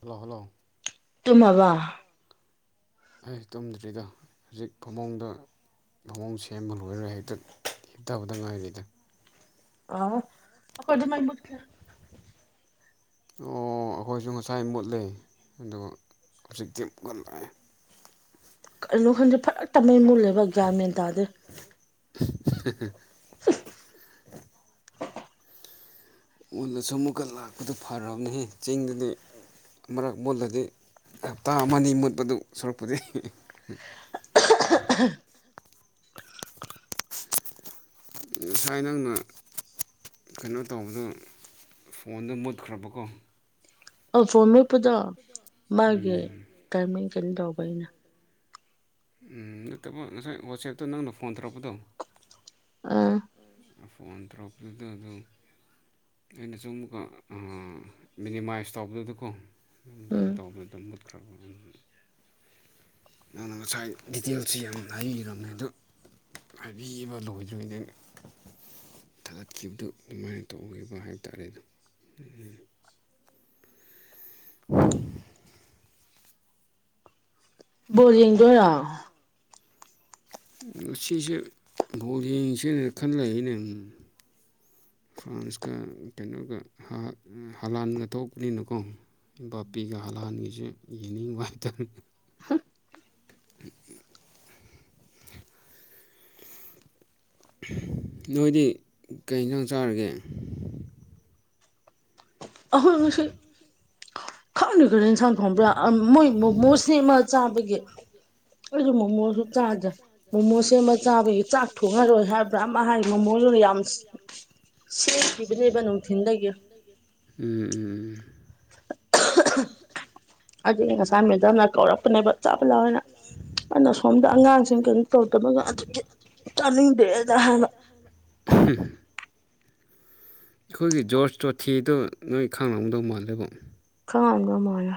Hello hello ꯑꯩ ꯇꯨꯝꯗ꯭ꯔꯤꯗ ꯍꯖꯤꯛ ꯐꯃꯨꯡꯗ ꯂꯑꯣꯡ ꯁꯦꯝꯕ ꯂꯣꯏꯔ ꯍꯦꯛꯇ ꯍꯤꯞꯇꯕꯗ ꯉꯥꯏꯔꯤꯗ ꯑ ꯑꯩꯈꯣꯏꯗꯤ ꯃꯩ ꯃꯨꯠꯈ꯭ꯔꯦ ꯑꯣ ꯑꯩꯈꯣꯏꯁꯨ ꯉꯁꯥꯏ ꯃꯨꯠꯂꯤ ꯑꯗꯣ ꯍꯧꯖꯤꯛꯇꯤ ꯑꯃꯨꯛꯀ ꯂꯥꯛꯑꯦ ꯀꯩꯅꯣ ꯈꯟꯗꯦ ꯐꯔꯛꯇ ꯃꯩ ꯃꯨꯜꯂꯦꯕ ꯒ꯭ꯌꯥꯟ ꯃꯦꯟ ꯇꯥꯗꯦ [unintelligible] [inaudible] ꯎꯜꯂꯁꯨ ꯑꯃꯨꯛꯀ ꯂꯥꯛꯄꯗꯨ ꯐꯔꯝꯅꯤ ꯆꯤꯡꯗꯗꯤ ꯃꯔꯛ ꯃꯨꯠꯂꯗꯤ ꯍꯞꯇꯥ ꯑꯃ ꯑꯅꯤ ꯃꯨꯠꯄꯗꯨ ꯁꯨꯔꯛꯄꯨꯗꯤ [unintelligible] ꯉꯁꯥꯏ ꯅꯪꯅ ꯀꯩꯅꯣ ꯇꯧꯕꯗꯨ ꯐꯣꯟꯗꯣ ꯃꯨꯠꯈ꯭ꯔꯕꯀꯣ ꯑ ꯐꯣꯟ ꯃꯦꯞꯄꯗꯣ ꯃꯥꯒꯤ ꯇꯥꯏꯃꯤꯡ ꯀꯩꯅꯣ ꯇꯧꯕꯩꯅꯦ ꯎꯝ ꯅꯠꯇꯕ ꯉꯁꯥꯏ ꯋꯥꯆꯦꯞꯇ ꯅꯪꯅ ꯐꯣꯟ ꯇꯧꯔꯛꯄꯗꯣ ꯑꯥ ꯐꯣꯟ ꯇꯧꯔꯛꯄꯗꯨꯗ ꯑꯗꯨ ꯑꯩꯅꯁꯨ ꯑꯃꯨꯛꯀ ꯃꯤꯅꯤꯃꯥꯏꯁ ꯇꯧꯕꯗꯨꯗꯀꯣ ꯎꯝ ꯀꯩꯅꯣ ꯇꯧꯕꯗ ꯑꯗꯨꯝ ꯃꯨꯠꯈ꯭ꯔꯕ ꯅꯪꯅ ꯉꯁꯥꯏ ꯗꯤꯇꯦꯜꯁꯤ ꯌꯥꯝ ꯍꯥꯏꯔꯝꯃꯦ ꯑꯗꯨ ꯍꯥꯏꯕꯤꯕ ꯂꯣꯏꯗ꯭ꯔꯤꯉꯩꯗꯩꯩ ꯊꯥꯒꯠꯈꯤꯕꯗꯨ ꯑꯗꯨꯃꯥꯏꯅ ꯇꯧꯈꯤꯕ ꯍꯥꯏ ꯇꯥꯔꯦ ꯕꯣꯜ ꯌꯦꯡꯗꯣꯏꯔꯣ ꯉꯁꯤꯁꯦ ꯕꯣꯜ ꯌꯦꯡꯁꯤꯅꯦ ꯈꯟ ꯂꯩꯏꯅꯦ ꯐ꯭ꯔꯥꯟꯁꯀ ꯀꯩꯅꯣꯒ ꯍꯥ ꯍꯂꯥꯟꯒ ꯊꯣꯛꯄꯅꯤꯅꯀꯣ ꯕꯥꯄꯦꯒ ꯍꯂꯥꯟꯒꯤꯁꯤ ꯌꯦꯡꯅꯤꯡꯕꯥ ꯍꯥꯏꯇꯔꯦ ꯅꯣꯏꯗꯤ ꯀꯩ ꯏꯟꯁꯥꯡ ꯆꯥꯔꯒꯦ ꯑꯍꯣꯏ ꯉꯁꯤ ꯈꯪꯗꯦ ꯀꯔꯤ ꯏꯟꯁꯥꯡ ꯊꯣꯡꯕ꯭ꯔꯥ ꯑꯥ ꯃꯣꯏ ꯃꯣꯃꯣ ꯁꯦꯝꯃꯥ ꯆꯥꯕꯒꯤ ꯑꯩꯖꯨ ꯃꯣꯃꯣꯁꯨ ꯆꯥꯗꯦ ꯃꯣꯃꯣꯁꯦꯃ ꯃꯁꯦꯃ ꯆꯥꯕꯒꯤ ꯆꯥꯛ ꯊꯣꯡꯉꯔꯣꯏ ꯍꯥꯏꯕ꯭ꯔ ꯑꯃ ꯍꯥꯏ ꯉꯃꯣꯏꯌꯨ ꯌꯥꯝꯁ ꯁꯦꯝꯈꯤꯕꯥꯅꯦꯕ ꯅꯨꯡꯊꯤꯟꯗꯒꯤ ꯎꯝ ꯎꯝ [inaudible] ꯑꯗꯨꯒꯤ ꯉꯁꯥꯏ ꯃꯦꯗꯥꯝꯅ ꯀꯧꯔꯛꯄꯅꯦꯕ ꯆꯥꯕ ꯂꯥꯎ ꯍꯥꯏꯅ ꯑꯩꯅ ꯁꯣꯝꯗ ꯑꯉꯥꯡꯁꯤꯡ ꯇꯧꯗꯕꯒ ꯑꯗꯨꯒꯤ ꯆꯥꯅꯤꯡꯗꯦꯅ ꯍꯥꯏꯕ [inaudible] ꯑꯩꯈꯣꯏꯒꯤ ꯖꯣꯔꯁ ꯆꯣꯊꯤꯗꯣ ꯅꯣꯏ ꯈꯪꯅꯝꯗꯧ ꯃꯥꯜꯂꯦꯕꯣ ꯈꯪꯉꯝꯗꯧ ꯃꯥꯜꯂꯦ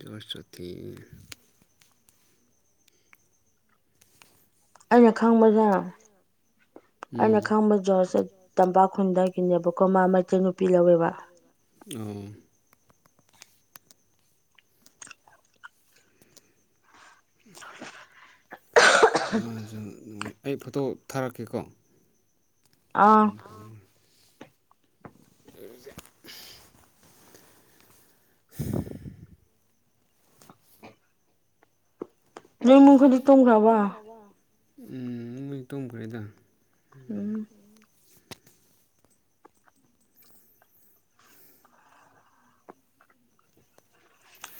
ꯖꯣꯔꯖ ꯆꯣꯊꯤ ꯑꯩꯅ ꯈꯪꯕꯖꯦ ꯍꯥꯏꯔꯣ ꯑꯩꯅ ꯈꯪꯕ ꯖꯣꯔꯁꯁꯦ ꯇꯝꯄꯥꯛꯈꯨꯟꯗꯒꯤꯅꯦꯕꯀꯣ ꯃꯥ ꯃꯩꯇꯩ ꯅꯨꯄꯤ ꯂꯧꯋꯦꯕ ꯑꯣ [inaudible] ꯑꯩ ꯐꯣꯇꯣ ꯊꯥꯔꯛꯀꯦꯀꯣ [inaudible] [inaudible] ꯅꯣꯏ ꯏꯃꯨꯡꯈꯣꯢꯗꯤ ꯇꯨꯝꯈ꯭ꯔꯕꯣ ꯎꯝ ꯃꯣꯏꯗꯤ ꯇꯨꯝꯈ꯭ꯔꯦꯗ ꯎꯝ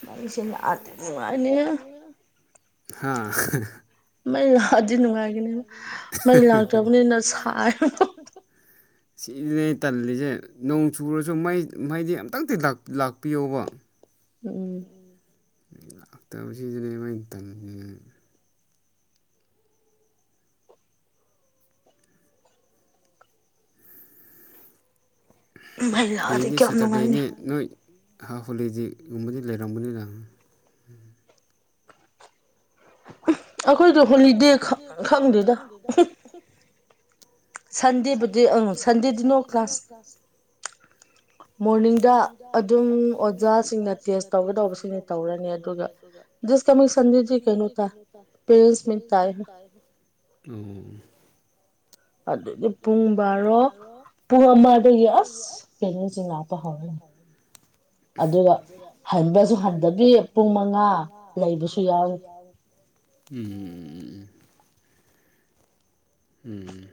ꯅꯪꯁꯦ ꯅꯥꯗ꯭ꯔꯗꯤ ꯅꯨꯡꯉꯥꯏꯅꯤꯍꯦ ꯍꯥꯥ ꯃꯩ ꯂꯥꯛꯑꯗꯤ ꯅꯨꯡꯉꯥꯏꯒꯅꯤ ꯃꯩ ꯂꯥꯛꯇ꯭ꯔꯕꯅꯤꯅꯥ ꯁꯥꯔꯦꯕ ꯁꯤꯗꯅꯦ ꯇꯜꯂꯤꯖꯦ ꯅꯣꯡ ꯆꯨꯔꯁꯨ ꯃꯩ ꯃꯩꯗꯤ ꯑꯝꯇꯪꯗꯤ ꯂꯥꯛꯄꯤꯌꯣꯕ ꯎꯝ ꯂꯥꯛꯇꯕꯖꯤꯗꯅꯦꯕ ꯑꯩ ꯇꯟ ꯍꯌꯦꯡꯗꯤ ꯁꯦꯇꯔꯗꯦꯅꯦ ꯅꯣꯏ ꯍꯥꯐ ꯍꯣꯂꯤꯗꯦꯒꯨꯝꯕꯗꯤ ꯂꯩꯔꯝꯒꯅꯤꯅ ꯑꯈꯣꯏꯗꯣ ꯍꯣꯂꯤꯗꯦ ꯈꯪ ꯈꯪꯗꯦꯗ ꯁꯟꯗꯦꯕꯨꯗꯤ ꯑꯪ ꯁꯟꯗꯦꯗꯤ ꯅꯣ ꯀ꯭ꯂꯥꯁ ꯃꯣꯔꯅꯤꯡꯗ ꯑꯗꯨꯝ ꯑꯣꯖꯥꯁꯤꯡꯅ ꯇꯦꯁ ꯇꯧꯒꯗꯧꯕꯁꯤꯡꯅ ꯇꯧꯔꯅꯤ ꯑꯗꯨꯒ ꯗꯤꯁꯀꯃꯤꯁꯟꯗꯨꯗꯤ ꯀꯩꯅꯣꯇ ꯄꯦꯔꯦꯟꯁ ꯃꯤꯠ ꯇꯥꯏ ꯑꯣ ꯑꯗꯨꯗꯤ ꯄꯨꯡ ꯕꯥꯔꯣ ꯄꯨꯡ ꯑꯃꯗꯒꯤ ꯑꯁ ꯀꯩꯅꯣꯁꯤꯡ ꯂꯥꯛꯄ ꯍꯧꯔꯅꯤ ꯑꯗꯨꯒ ꯐꯟꯕꯁꯨ ꯍꯟꯕꯒꯤ ꯄꯨꯡ ꯃꯉꯥ ꯂꯩꯕꯁꯨ ꯌꯥꯎꯏ ꯎꯝ ꯎꯝ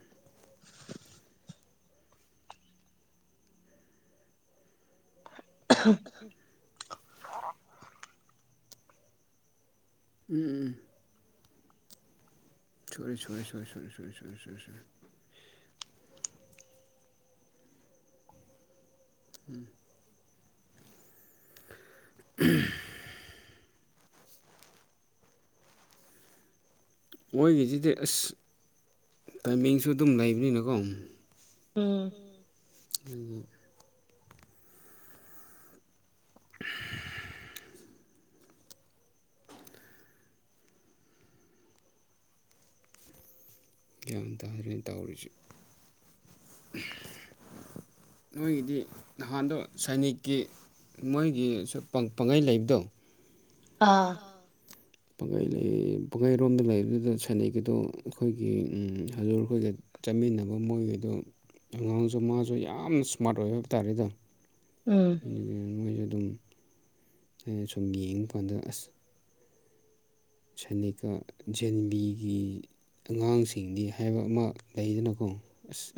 [inaudible] ꯎꯝ ꯎꯝ ꯁꯣꯔꯤ ꯁꯣꯔꯤ ꯁꯣꯏ ꯁꯣꯏ ꯁꯣꯏ ꯁꯣꯏ ꯁꯣꯏ ꯁꯣꯏ ꯎꯝ [inaudible] ꯃꯣꯏꯒꯤꯖꯤꯗꯤ ꯑꯁ ꯇꯥꯏꯃꯤꯡꯁꯨ ꯑꯗꯨꯝ ꯂꯩꯕꯅꯤꯅꯀꯣ ꯎꯝ ꯎꯝ [inaudible] ꯒ꯭ꯌꯥꯟ ꯇꯥꯗ꯭ꯔꯦ ꯇꯧꯔꯤꯖꯦ ꯅꯣꯏꯒꯤꯗꯤ ꯅꯍꯥꯟꯗꯣ ꯁꯩꯅꯤꯛꯀꯤ ꯃꯣꯏꯒꯤ ꯄꯥꯡ ꯄꯥꯡꯒꯩ ꯂꯩꯕꯗꯣ ꯑꯥ ꯄꯥꯡꯒꯩ ꯂꯩ ꯄꯥꯡꯒꯩꯔꯣꯝꯗ ꯂꯩꯕꯗꯨꯗ ꯁꯥꯏꯅꯤꯛꯒꯤꯗꯣ ꯑꯈꯣꯏꯒꯤ ꯍꯖꯣꯔ ꯈꯣꯏꯒ ꯆꯠꯃꯤꯟꯅꯕ ꯃꯣꯏꯒꯤꯗꯨ ꯑꯉꯥꯡꯖꯨ ꯃꯥꯖꯨ ꯌꯥꯝ ꯁ꯭ꯃꯥꯔꯠ ꯑꯣꯏ ꯍꯥꯏꯕ ꯇꯥꯔꯦꯗ ꯃꯣꯏꯖꯨ ꯑꯗꯨꯝ ꯑꯩꯅ ꯁꯨꯝ ꯌꯦꯡꯕꯀꯥꯟꯗ ꯑꯁ ꯁꯥꯏꯅꯤꯀꯥ ꯖꯦꯟꯕꯤꯒꯤ ꯑꯉꯥꯡꯁꯤꯡꯗꯤ ꯍꯥꯏꯕ ꯑꯃ ꯂꯩꯗꯅꯀꯣ ꯑꯁ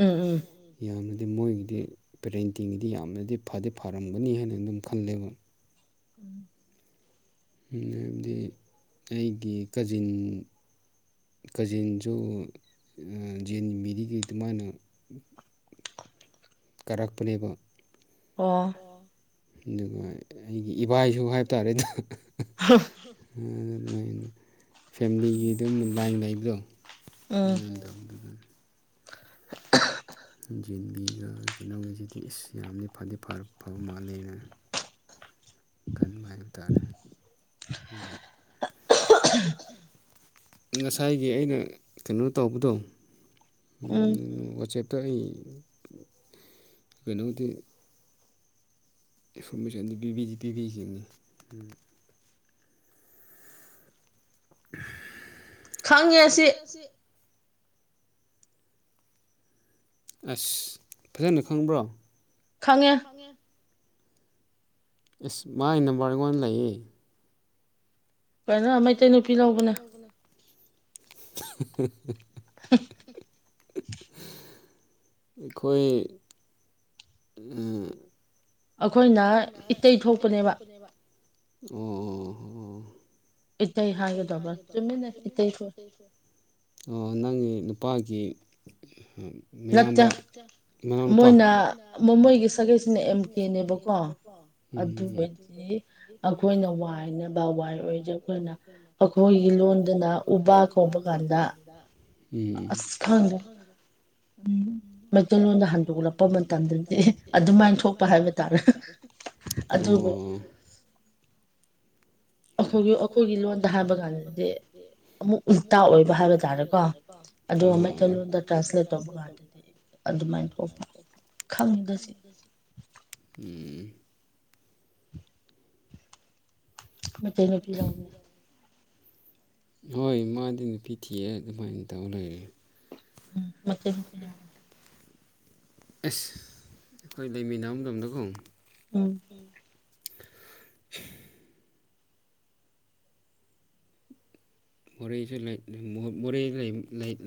ꯌꯥꯝꯅꯗꯤ ꯃꯣꯏꯒꯤꯗꯤ ꯄꯦꯔꯦꯟꯇꯤꯡꯗꯤ ꯌꯥꯝꯅꯗꯤ ꯐꯗꯤ ꯐꯔꯝꯒꯅꯤ ꯍꯥꯏꯅ ꯑꯗꯨꯝ ꯈꯜꯂꯦꯕ ꯎꯝ ꯍꯥꯏꯕꯗꯤ ꯑꯩꯒꯤ ꯀꯖꯤꯟ ꯀꯖꯤꯟꯖꯨ ꯖꯦꯟꯚꯤꯗꯒꯤ ꯑꯗꯨꯃꯥꯏꯅ ꯀꯥꯔꯛꯄꯅꯦꯕ ꯑꯣ ꯑꯗꯨꯒ ꯑꯩꯒꯤ ꯏꯕꯥꯏꯁꯨ ꯍꯥꯏꯕ ꯇꯥꯔꯦꯗ [inaudible] ꯑꯗꯨꯃꯥꯏꯅ ꯐꯦꯃꯤꯂꯤꯒꯤ ꯑꯗꯨꯝ ꯂꯥꯏꯟ ꯂꯩꯕꯗꯣ [unintelligible] ꯖꯤꯟꯚꯤꯒ ꯀꯩꯅꯣꯒꯁꯤꯗꯤ ꯑꯁ ꯌꯥꯝꯗꯤ ꯐꯗꯤ ꯐꯥ ꯐꯕ ꯃꯥꯜꯂꯦꯅ ꯈꯟꯕ ꯍꯥꯏꯕ ꯇꯥꯔꯦ ꯉꯁꯥꯏꯒꯤ ꯑꯩꯅ ꯀꯩꯅꯣ ꯇꯧꯕꯗꯣ ꯋꯥꯆꯦꯞꯛꯇ ꯑꯩ [unintelligible] ꯏꯟꯐꯣꯔꯃꯦꯁꯟꯗꯤ ꯄꯤꯕꯤꯗꯤ ꯄꯤꯕꯤꯈꯤꯕꯅꯤ ꯈꯪꯉꯦ ꯑꯁꯤ ꯑꯁ ꯐꯖꯅ ꯈꯪꯕ꯭ꯔꯣ ꯈꯪꯉꯦ ꯑꯦꯁ ꯃꯥꯥꯏ ꯅꯝꯕꯔ ꯑꯩꯉꯣꯟ ꯂꯩꯌꯦ ꯀꯩꯅꯣ ꯃꯩꯇꯩ ꯅꯨꯄꯤ ꯂꯧꯕꯅꯦ [inaudible] [unintelligible] ꯑꯩꯈꯣꯏ [unintelligible] ꯑꯈꯣꯏꯅ ꯏꯇꯩ ꯊꯣꯛꯄꯅꯦꯕ ꯑꯣ ꯑꯣ ꯏꯠꯇꯩ ꯍꯥꯏꯒꯗꯕ ꯆꯨꯃꯤꯅꯦ ꯏꯠꯇꯩꯩ ꯊꯣꯛꯏ ꯑꯣ ꯅꯪꯒꯤ ꯅꯨꯄꯥꯒꯤ ꯃꯌꯥꯝꯕ ꯅꯠꯇꯦ ꯃꯅꯥꯎꯅꯨꯄꯥ ꯃꯣꯏꯅ ꯃꯣꯏꯒꯤ ꯁꯥꯒꯩꯁꯤꯅꯥ ꯑꯦꯝ ꯀꯦ ꯅꯦꯕꯀꯣ ꯑꯗꯨꯒꯤ ꯑꯈꯣꯏꯅ ꯋꯥꯏꯅꯕ ꯋꯥꯏ [unintelligible] [unintelligible] ꯑꯩꯈꯣꯏꯒꯤ ꯂꯣꯟꯗꯅ ꯎꯕꯥ ꯀꯧꯕ ꯀꯥꯟꯗ ꯑꯁ ꯈꯪ [unintelligible] [unintelligible] ꯃꯩꯇꯩꯂꯣꯟꯗ ꯍꯟꯗꯣꯛꯂꯛꯄ ꯃꯇꯝꯗꯗꯤ ꯑꯗꯨꯃꯥꯏꯅ ꯊꯣꯛꯄ ꯍꯥꯏꯕ ꯇꯥꯔꯦ ꯑꯣ ꯑꯣ ꯑꯈꯣꯏꯒꯤ ꯑꯈꯣꯏꯒꯤ ꯂꯣꯟꯗ ꯍꯥꯏꯕ ꯀꯥꯟꯗꯗꯤ ꯑꯃꯨꯛ ꯎꯜꯇꯥ ꯑꯣꯏꯕ ꯍꯥꯏꯕ ꯇꯥꯔꯦꯀꯣ ꯑꯗꯨꯒꯥ ꯑꯃꯩꯇꯩꯂꯣꯟꯗ ꯇ꯭ꯔꯥꯟꯁꯂꯦꯠ ꯇꯧꯕ ꯀꯥꯟꯗꯗꯤ ꯑꯗꯨꯃꯥꯏꯅ ꯊꯣꯛꯄ ꯈꯪꯗꯦ ꯎꯝ ꯃꯩꯇꯩ ꯅꯨꯄꯤ ꯂꯧꯕꯅꯦ ꯍꯣꯏ ꯃꯥꯗꯤ ꯅꯨꯄꯤ ꯊꯤꯑꯦ ꯑꯗꯨꯃꯥꯏꯅ ꯇꯧ ꯂꯩꯔꯦ ꯃꯩꯇꯩ ꯅꯨꯄꯤ ꯂꯧ ꯑꯁ ꯑꯩꯈꯣꯏ ꯂꯩꯃꯤꯟꯅ ꯃꯇꯝꯗꯀꯣ ꯎꯝ ꯃꯣꯔꯦꯁꯨ ꯂꯩ ꯃꯣꯔꯦ ꯂꯩ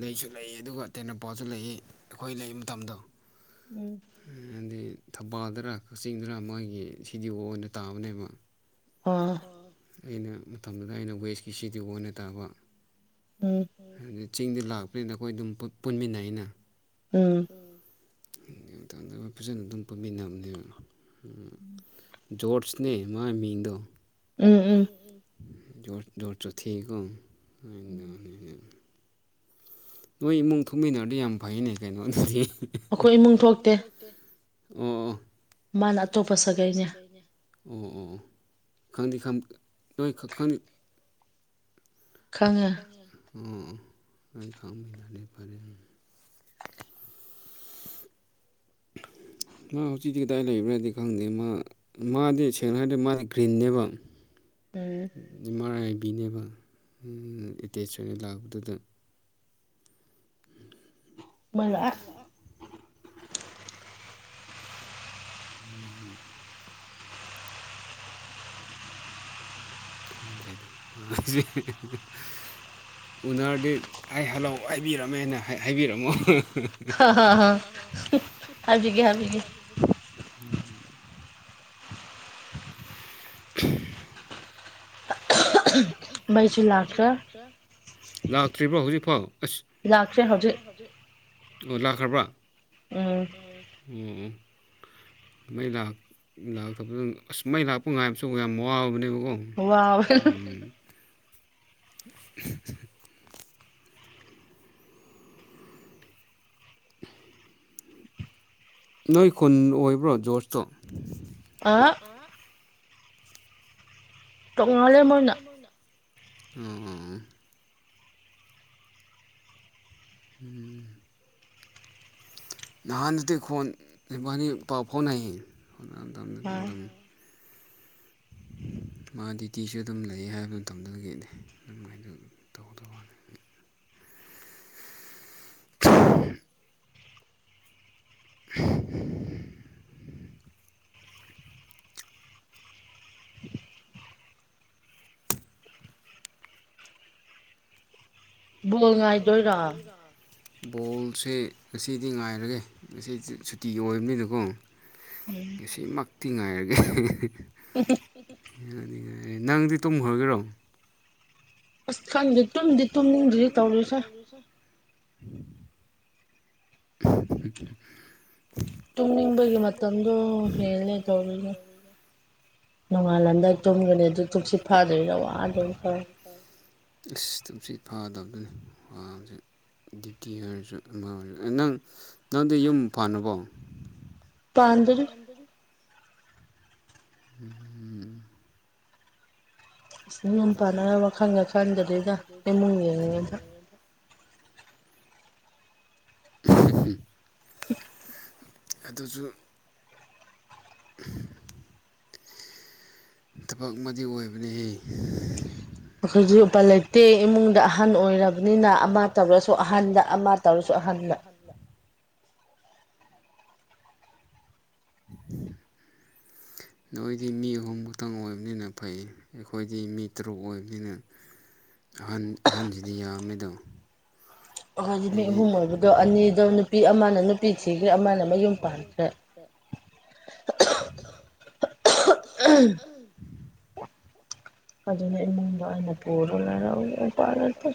ꯂꯩꯁꯨ ꯂꯩ ꯑꯗꯨꯒ ꯇꯦꯡꯅꯥꯎꯄꯥꯜꯁꯨ ꯂꯩꯌꯦ ꯑꯩꯈꯣꯏ ꯂꯩꯕ ꯃꯇꯝꯗꯣ꯫ ꯎꯝ ꯍꯥꯏꯗꯤ ꯊꯧꯕꯥꯜꯗꯔ ꯀꯛꯆꯤꯡꯗꯔ ꯃꯣꯏꯒꯤ ꯁꯤ ꯗꯤ ꯑꯣ ꯑꯣꯏꯅ ꯇꯥꯕꯅꯦꯕ ꯑꯣ ꯑꯩꯅ ꯃꯇꯝꯗꯨꯗ ꯑꯩꯅ ꯋꯦꯁꯀꯤ ꯁꯤ ꯗꯤ ꯑꯣ ꯑꯣꯏꯅ ꯇꯥꯕ꯫ ꯎꯝ ꯑꯗꯨꯗ ꯆꯤꯡꯗꯤ ꯂꯥꯛꯄꯅꯤꯅꯥ ꯑꯩꯈꯣꯏ ꯑꯗꯨꯝ ꯄꯨ ꯄꯨꯟꯃꯤꯟꯅꯩꯅꯥ ꯎꯝ ꯑꯗꯨ ꯃꯇꯝꯗ ꯐꯖꯅ ꯑꯗꯨꯝ ꯄꯨꯟꯃꯤꯟꯅꯕꯅꯦꯕ꯫ ꯎꯝ ꯖꯣꯔꯠꯁꯅꯦ ꯃꯥꯏ ꯃꯤꯡꯗꯣ ꯖꯣꯔ ꯖꯣꯔ ꯆꯣꯊꯤꯀꯣ [unintelligible] ꯅꯣꯏ ꯏꯃꯨꯡ ꯊꯣꯛꯃꯤꯟꯅꯔꯗꯤ ꯌꯥꯝ ꯐꯩꯅꯦ ꯀꯩꯅꯣꯗꯨꯗꯤ [unintelligible] ꯑꯩꯈꯣꯏ ꯏꯃꯨꯡ ꯊꯣꯛ ꯇꯦ ꯑꯣ ꯑꯣ ꯃꯥꯅ ꯑꯇꯣꯞꯄ ꯁꯥꯒꯩꯅꯦ꯫ ꯑꯣ ꯑꯣ ꯑꯣ ꯈꯪꯗꯤ ꯈꯡ ꯅꯣꯏ ꯈꯪꯗꯤ ꯈꯪꯉꯦ ꯎꯝ ꯅꯣꯏ ꯈꯡꯅꯔꯗꯤ ꯐꯔꯦ꯫ [unintelligible] ꯃꯥ ꯍꯧꯖꯤꯛꯇꯤ ꯀꯗꯥꯏ ꯂꯩꯕ꯭ꯔꯥꯗꯤ ꯈꯪꯗꯦ ꯃꯥ ꯃꯥꯗꯤ ꯁꯦꯡꯅ ꯍꯥꯏꯔꯗꯤ ꯃꯥꯗꯤ ꯒ꯭ꯔꯤꯟꯅꯦꯕ ꯎꯝ ꯑꯦꯝ ꯑꯥꯔ ꯑꯥꯏ ꯕꯤꯅꯦꯕ ꯎꯝ ꯑꯦꯇꯦꯁꯃꯦꯟꯠ ꯂꯥꯛꯄꯗꯨꯗ ꯃꯩ ꯂꯥꯛꯑꯦ ꯍꯨꯝ ꯈꯪꯗ꯭꯭ꯔꯦꯗꯥ ꯃꯥꯁꯦ [unintelligible] ꯎꯅꯔꯗꯤ ꯑꯩ ꯍꯜꯂꯣ ꯍꯥꯏꯕꯤꯔꯝꯃꯦꯅ ꯍꯥꯏ ꯍꯥꯏꯕꯤꯔꯝꯃꯣ [unintelligible] ꯍꯣꯏ ꯍꯣꯏ ꯍꯣꯏ ꯍꯥꯏꯕꯤꯒꯦ ꯍꯥꯏꯕꯤꯒꯦ꯫ ꯎꯝ [unintelligible] [unintelligible] ꯃꯩꯁꯨ ꯂꯥꯛꯇ꯭ꯔꯦ ꯂꯥꯛꯇ꯭ꯔꯣ ꯂꯥꯛꯇꯔꯤꯕ꯭ꯔꯣ ꯍꯧꯖꯤꯛꯐꯥꯎ ꯑꯁ ꯂꯥꯛꯇꯦ ꯍꯧꯖꯤꯛ ꯑꯣ ꯂꯥꯛꯈ꯭ꯔꯕ꯭ꯔꯥ ꯎꯝ ꯎꯝ ꯎꯝ ꯃꯩ ꯂꯥꯛ ꯂꯥꯛꯇꯕꯗ ꯑꯁ ꯃꯩ ꯂꯥꯛꯄ ꯉꯥꯏꯕꯁꯨ ꯌꯥꯝ ꯋꯥꯕꯅꯦꯕꯀꯣ꯫ [unintelligible] ꯅꯣꯏ ꯈꯨꯟ ꯑꯣꯏꯕ꯭ꯔꯣ ꯖꯣꯔꯁꯇꯣ ꯑ [unintelligible] ꯑꯣ ꯑꯣ ꯑꯣ ꯎꯝ ꯅꯍꯥꯟꯗꯗꯤ ꯈꯣꯟ ꯏꯕꯥꯅꯤ ꯄꯥꯎ ꯐꯥꯎꯅꯩ ꯑꯗꯥꯏ ꯇꯝꯗꯗꯤ ꯑꯗꯨꯝ ꯃꯥ ꯗ꯭ꯌꯨꯇꯤꯁꯨ ꯑꯗꯨꯝ ꯂꯩ ꯍꯥꯏꯕ ꯃꯇꯝꯗꯨꯗꯒꯤꯗꯤ ꯑꯗꯨꯝ ꯑꯩꯗꯨ ꯇꯧꯗ ꯋꯥꯅꯤ [inaudible] ꯕꫭꯜ ꯉꯥꯏꯗꯣꯏꯔꫭ [inaudible] ꯕꯣꯜꯁꯦ ꯉꯁꯤꯗꯤ ꯉꯥꯏꯔꯒꯦ ꯉꯁꯤꯗꯤ ꯁꯨꯇꯤ ꯑꯣꯏꯕꯅꯤꯅꯀꯣ꯫ ꯎꯝ ꯉꯁꯤꯃꯛꯇꯤ ꯉꯥꯏꯔꯒꯦ [inaudible] ꯌꯥꯅꯤꯉꯥꯏ ꯅꯪꯗꯤ ꯇꯨꯝꯈ꯭ꯔꯒꯦꯔꯣ ꯑꯁ ꯈꯟꯗꯦ ꯇꯨꯝꯗꯤ ꯇꯨꯝꯅꯤꯡꯗ꯭ꯗꯤ ꯇꯧꯔꯤꯁꯦ [inaudible] ꯇꯨꯝꯅꯤꯡꯕꯒꯤ ꯃꯇꯝꯗꫭ ꯍꯦꯜꯂꯦ ꯇꯧꯔꯤꯁꯦ ꯅꯣꯡꯉꯥꯜꯂꯝꯗꯥꯏ ꯇꯨꯝꯒꯅꯤ ꯑꯗꯨ ꯇꯨꯡꯁꯤꯠ ꯐꯥꯗ꯭ꯔꯗꯤ ꯋꯥꯗꫭꯏꯅꯤ ꯇꯧ ꯑꯁ ꯇꯨꯝꯁꯤꯠ ꯐꯗꯕꯗꯨꯅꯤ ꯋꯥꯕꯖꯤ ꯗ꯭ꯌꯨꯇꯤ ꯍꯥꯏꯔꯁꯨ ꯑꯃ ꯑꯣꯏꯔꯁꯨ ꯅꯪ ꯅꯪꯗꯤ ꯌꯨꯝ ꯐꯥꯟꯕꯀꫭ ꯄꯥꯟꯗꯔꯤ ꯎꯝ ꯑꯁ ꯌꯨꯝ ꯄꯥꯞꯅꯉꯥꯏ ꯋꯥꯈꯜꯒ ꯈꯟꯗꯔꯤꯗ ꯏꯃꯨꯡ ꯌꯦꯡꯉꯤꯉꯩꯗ ꯑꯗꯨꯁꯨ ꯊꯕꯛ ꯑꯃꯗꯤ ꯑꯣꯏꯕꯅꯤꯍꯦ ꯑꯈꫭꯏꯁꯨ ꯎꯄꯥꯏ ꯂꯩꯇꯦ ꯏꯃꯨꯡꯗ ꯑꯍꯟ ꯑꯣꯏꯔꯕꯅꯤꯅ ꯑꯃ ꯇꯧꯔꯁꯨ ꯑꯍꯟꯗ ꯑꯃ ꯇꯧꯔꯁꯨ ꯑꯍꯟ [inaudible] [inaudible] ꯅꯣꯏꯗꯤ ꯃꯤ ꯑꯍꯨꯝ ꯈꯛꯇꯪ ꯑꯣꯏꯕꯅꯤꯅ ꯐꯩ ꯑꯩꯈꯣꯏꯗꯤ ꯃꯤ ꯇꯔꯨꯛ ꯑꯣꯏꯕꯅꯤꯅ ꯑꯍꯟ ꯑꯍꯟꯁꯤꯗꯤ ꯌꯥꯝꯃꯦꯗꯣ ꯍꯧꯖꯤꯛ ꯃꯤ ꯑꯍꯨꯝ ꯑꯣꯏꯕꯗꯣ ꯑꯅꯤꯗꯣ ꯅꯨꯄꯤ ꯑꯃꯅ ꯅꯨꯄꯤ ꯊꯤꯈ꯭ꯔꯦ ꯑꯃꯅ ꯑꯃꯌꯨꯝ ꯄꯥꯟꯈ꯭ꯔꯦ [inaudible] [inaudible] ꯑꯗꯨꯅꯦ ꯏꯗꯨꯡꯗ ꯑꯩꯅ ‌ꯄꯨꯔꯒ ꯑꯗꯨꯝ ꯎꯄꯥꯏ ꯂꯩꯇꯦ